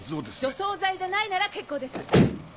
除草剤じゃないなら結構です。